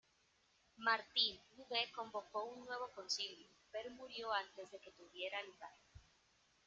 Martín V convocó un nuevo concilio, pero murió antes de que tuviera lugar.